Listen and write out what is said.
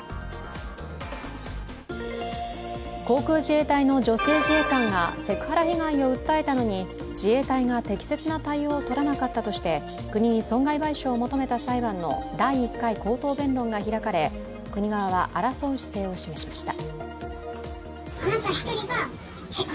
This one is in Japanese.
航空自衛隊の女性自衛官がセクハラ被害を訴えたのに自衛隊が適切な対応をとらなかったとして国に損害賠償を求めた裁判の第１回口頭弁論が開かれ国側は、争う姿勢を示しました。